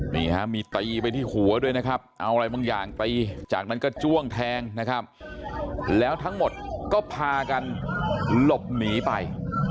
นี่ฮะมีตีไปที่หัวด้วยนะครับเอาอะไรบางอย่างตีจากนั้นก็จ้วงแทงนะครับแล้วทั้งหมดก็พากันหลบหนีไป